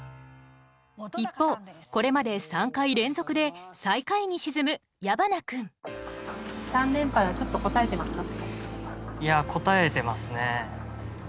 一方これまで３回連続で最下位に沈む矢花君３連敗はちょっと堪えてますか？